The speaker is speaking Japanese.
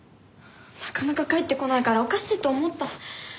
なかなか帰ってこないからおかしいと思った。